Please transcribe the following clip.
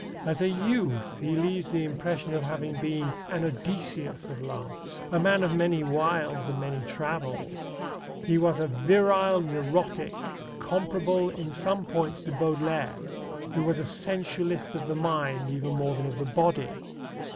As a youth he leaves the impression of having been an Odysseus of love, a man of many wiles and many travels. He was a virile neurotic, comparable in some points to Baudelaire, who was a sensualist of the mind even more than of the body.